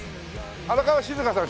荒川静香さん